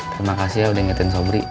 terima kasih ya udah ingetin sobri